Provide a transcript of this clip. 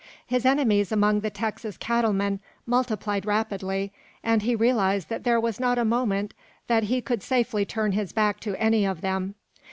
His enemies among the Texas cattle men multiplied rapidly, and he realized that there was not a moment that he could safely turn his back to any of them.